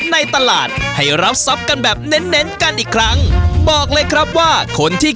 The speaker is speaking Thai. ในตลาดให้รับทรัพย์กันแบบเน้นเน้นกันอีกครั้งบอกเลยครับว่าคนที่